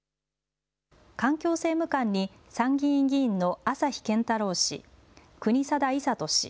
環境政務官に参議院議員の朝日健太郎氏、国定勇人氏。